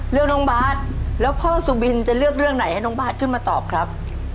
เรื่องน้องบาทแล้วพ่อสุบินจะเลือกเรื่องไหนให้น้องบาทขึ้นมาตอบครับ